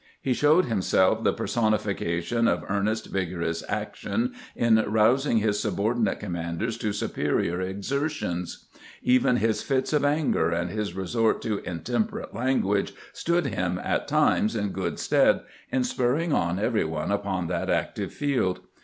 He showed himself the personification of ear nest, vigorous action in rousing his subordinate com manders to superior exertions. Even his fits of anger and his resort to intemperate language stood him at times in good stead in spurring on every one upon that active field.